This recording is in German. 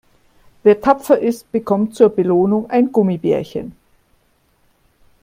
Wer tapfer ist, bekommt zur Belohnung ein Gummibärchen.